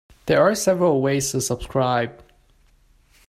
There are several ways to subscribe.